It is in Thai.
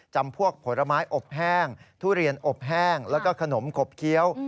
จำพวกผลไม้อบแห้งทุเรียนอบแห้งแล้วก็ขนมขบเคี้ยว